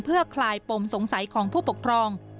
เพื่อคลายปมสงสัยของผู้ปกครอง